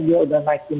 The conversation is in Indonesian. dia sudah naikin